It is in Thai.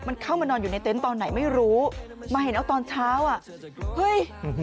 มันเข้ามานอนอยู่ในเต็นต์ตอนไหนไม่รู้มาเห็นเอาตอนเช้าอ่ะเฮ้ย